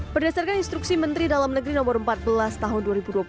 berdasarkan instruksi menteri dalam negeri no empat belas tahun dua ribu dua puluh